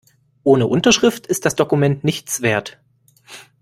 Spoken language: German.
Ohne Unterschrift ist das Dokument nichts wert.